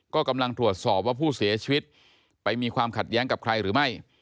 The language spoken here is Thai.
ก็กำลังตรวจสอบว่าผู้เสียชีวิตไปมีความขัดแย้งกับใครหรือไม่